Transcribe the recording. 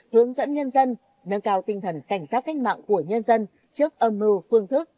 hướng dẫn nhân dân nâng cao tinh thần cảnh tác cách mạng của nhân dân trước âm mưu phương thức